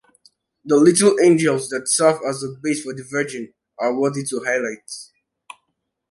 The little angels that serve as a base for the Virgin are worthy to highlight.